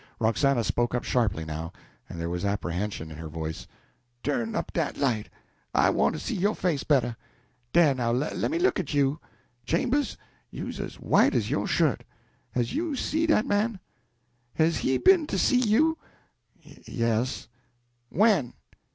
Roxana spoke up sharply now, and there was apprehension in her voice "Turn up dat light! I want to see yo' face better. Dah now lemme look at you. Chambers, you's as white as yo' shirt! Has you see dat man? Has he be'n to see you?" "Ye s." "When?"